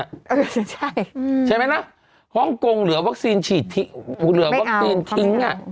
เออใช่ใช่ไหมล่ะฮ่องกงเหลือวัคซีนฉีดเหลือวัคซีนทิ้งอ่ะ